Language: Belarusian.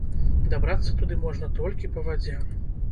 Дабрацца туды можна толькі па вадзе.